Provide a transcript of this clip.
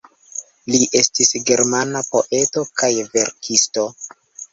Li estis germana poeto kaj verkisto.